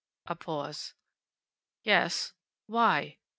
A pause. "Yes." "Why?"